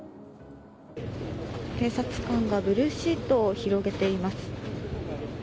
警察官がブルーシートを広げています。